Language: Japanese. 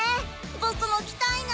僕も着たいな。